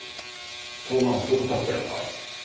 相馬はそう言ったってのか？